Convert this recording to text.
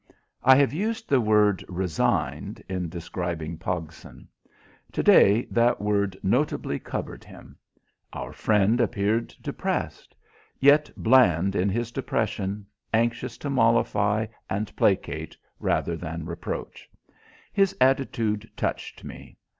I have used the word "resigned" in describing Pogson. To day that word notably covered him. Our friend appeared depressed; yet bland in his depression, anxious to mollify and placate rather than reproach. His attitude touched me.